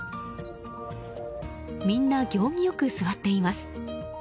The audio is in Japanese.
みんな行儀良く座っています。